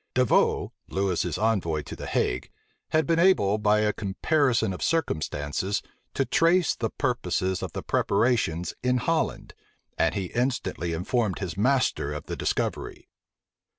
D'Avaux, Lewis's envoy at the Hague, had been able by a comparison of circumstances, to trace the purposes of the preparations in Holland; and he instantly informed his master of the discovery.